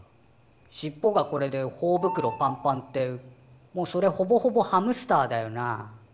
しっぽがこれでほおぶくろパンパンってもうそれほぼほぼハムスターだよな。